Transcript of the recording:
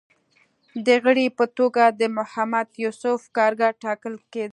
د غړي په توګه د محمد یوسف کارګر ټاکل کېدل